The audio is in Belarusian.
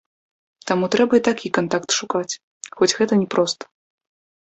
Таму трэба і такі кантакт шукаць, хоць гэта не проста.